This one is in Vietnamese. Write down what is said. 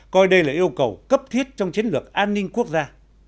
coi đây là yêu cầu cấp thiết trong chiến lược an ninh quốc gia